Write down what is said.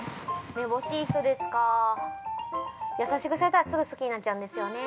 ◆めぼしい人ですか優しくされたらすぐ好きになっちゃうんですよね。